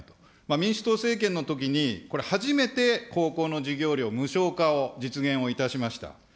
民主党政権のときに、これ、初めて高校の授業料無償化を実現をいたしました。